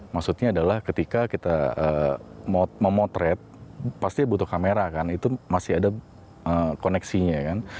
maksudnya adalah ketika kita memotret pasti butuh kamera kan itu masih ada koneksinya kan